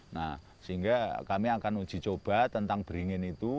nah sehingga kami akan uji coba tentang beringin itu